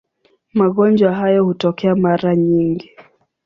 Magonjwa hayo hutokea mara nyingi.